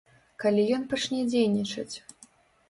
Калі ён пачне дзейнічаць?